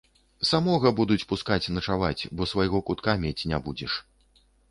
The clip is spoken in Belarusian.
Самога будуць пускаць начаваць, бо свайго кутка мець не будзеш.